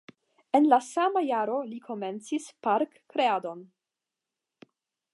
En la sama jaro li komencis parkkreadon.